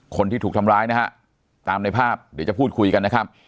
คนที่ถูกทำร้ายนะฮะตามในภาพเดี๋ยวจะพูดคุยกันนะครับ